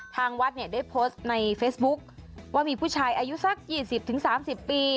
ทางวัดเนี่ยได้โพสต์ในเฟซบุ๊คว่ามีผู้ชายอายุสัก๒๐๓๐ปี